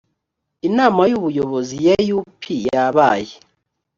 inama y ubuyobozi ya u p yabaye